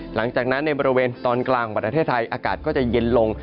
หลังจากนั้นในบริเวณตอนกลางของประเทศไทยอากาศก็จะเย็นลง